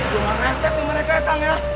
gue mau reset tuh mereka tangga